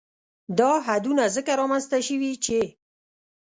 دا حدونه ځکه رامنځ ته شوي چې